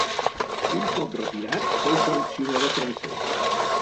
Un cop retirat fou seleccionador francès.